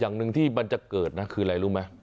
อย่างหนึ่งที่มันจะเกิดนะคืออะไรรู้ไหม